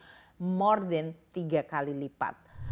lebih dari tiga kali lipat